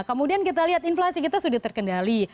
kemudian kita lihat inflasi kita sudah terkendali